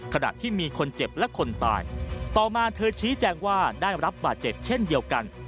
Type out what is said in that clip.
ขณะที่มีคนเจ็บและคนตายต่อมาเธอชี้แจงว่าได้รับบาดเจ็บเช่นเดียวกัน